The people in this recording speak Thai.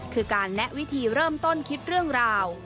คือการแนะวิธีเริ่มต้นคิดเรื่องราว